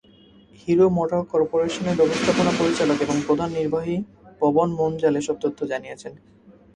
Hero মোটোকরপোরেশনের ব্যবস্থাপনা পরিচালক এবং প্রধান নির্বাহী পবন মুনজাল এসব তথ্য জানিয়েছেন।